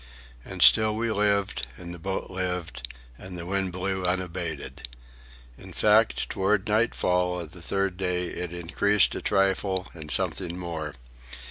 And still we lived, and the boat lived, and the wind blew unabated. In fact, toward nightfall of the third day it increased a trifle and something more.